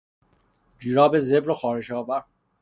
جوراب زبر و خارش آور